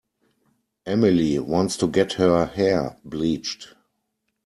Emily wants to get her hair bleached.